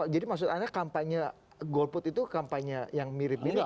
jadi maksud anda kampanye golput itu kampanye yang mirip mirip